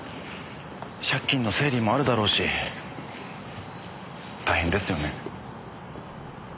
借金の整理もあるだろうし大変ですよね。